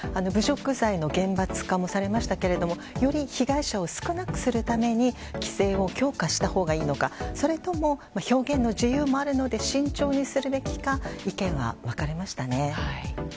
侮辱罪の厳罰化もされましたけれどもより被害者を少なくするために規制を強化したほうがいいのかそれとも表現の自由もあるので慎重にするべきか意見は分かれましたね。